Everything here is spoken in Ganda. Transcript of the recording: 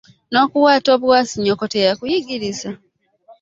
N'okuwaata obuwaasi nnyoko teyakuyigiriza!